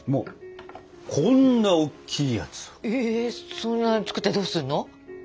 そんなに作ってどうすんの？